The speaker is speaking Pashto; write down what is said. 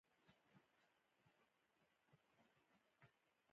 په دې سره مزد د کارګر کار پټوي